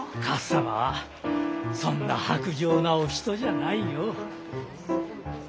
勝様はそんな薄情なお人じゃないよ。